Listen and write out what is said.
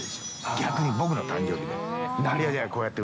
逆に僕の誕生日だって。